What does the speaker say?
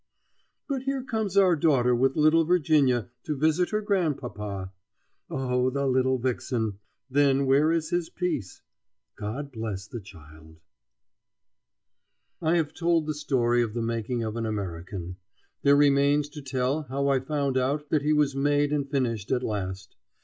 But here comes our daughter with little Virginia to visit her grandpapa. Oh, the little vixen! Then where is his peace? God bless the child! I have told the story of the making of an American. There remains to tell how I found out that he vas made and finished at last.